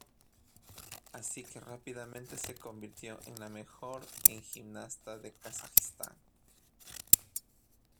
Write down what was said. Así que rápidamente se convirtió en la mejor en gimnasta de Kazajistán.